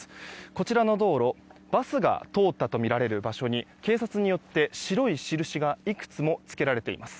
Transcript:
こちらの道路バスが通ったとみられる場所に警察によって白いしるしがいくつもつけられています。